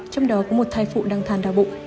trong đó có một thai phụ đang thàn đau bụng